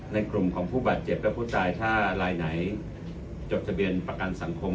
ในกลุ่มของผู้บาดเจ็บและผู้ตายถ้ารายไหนจดทะเบียนประกันสังคม